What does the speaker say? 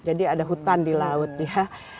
jadi ada hutan di laut ya